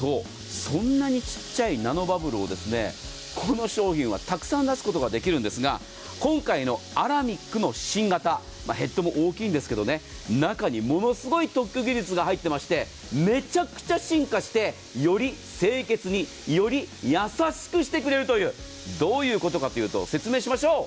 そんなにちっちゃいナノバブルをこの商品はたくさん出すことができるんですが今回のアラミックの新型ヘッドも大きいんですが中に、ものすごい特許技術が入っていましてめちゃくちゃ進化してより清潔により優しくしてくれるというどういうことかというと説明しましょう。